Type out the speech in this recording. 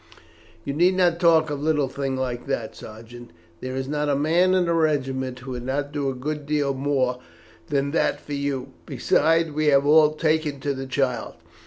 "You need not talk of a little thing like that, Sergeant. There is not a man in the regiment who would not do a good deal more than that for you: besides we have all taken to the child.